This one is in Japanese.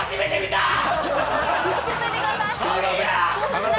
落ち着いてください！